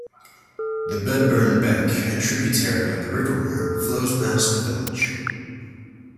The Bedburn Beck a tributary of the River Wear, flows past the village.